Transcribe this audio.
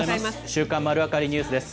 週刊まるわかりニュースです。